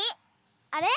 あれ？